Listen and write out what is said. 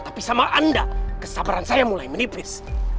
tapi sama anda kesabaran saya mulai menipis